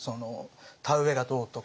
田植えがどうとか。